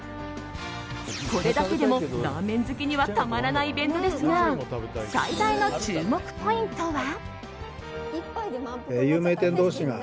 これだけでもラーメン好きにはたまらないイベントですが最大の注目ポイントは。